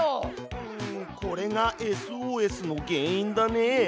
うんこれがＳＯＳの原因だね。